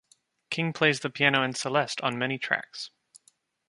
King plays the piano and celeste on many tracks.